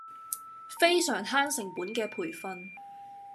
非常慳成本嘅培訓